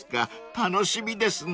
楽しみですね］